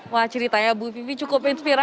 wah cerita ya bu vivi cukup inspirasi